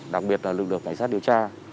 đặc biệt là lực lượng cảnh sát điều tra